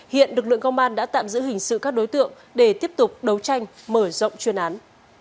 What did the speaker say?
hiện lực lượng công an đã tạm giữ hình sự các đối tượng để tiếp tục đấu tranh mở rộng chuyên án